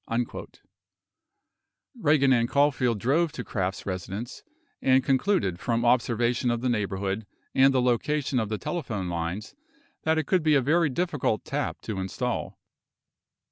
17 Ragan and Caulfield drove to Kraft's residence and concluded from observation of the neighborhood and the location of the telephone lines that it could be a very difficult tap to install.